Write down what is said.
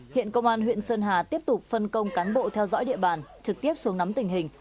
hiện công an huyện sơn hà tiếp tục phân công cán bộ theo dõi địa bàn trực tiếp xuống nắm tình hình